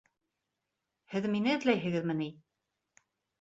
Һеҙ мине эҙләйһегеҙме ни?